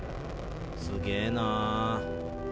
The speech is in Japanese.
すげえな。